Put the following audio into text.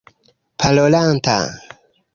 parolanta